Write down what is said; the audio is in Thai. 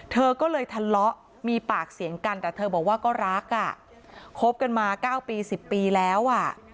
เธอก็เลยทะเลาะมีปากเสียงกันแต่เธอบอกว่าก็รักอ่ะคบกันมา๙ปี๑๐ปีแล้วอ่ะ